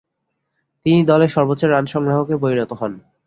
তিনি দলের সর্বোচ্চ রান সংগ্রাহকে পরিণত হন।